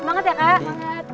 semangat ya kak